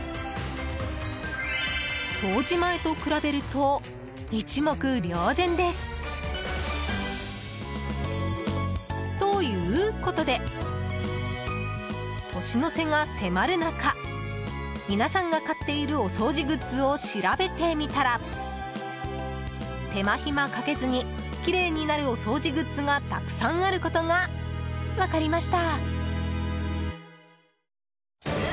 掃除前と比べると一目瞭然です。ということで年の瀬が迫る中皆さんが買っているお掃除グッズを調べてみたら手間暇かけずにきれいになるお掃除グッズがたくさんあることが分かりました。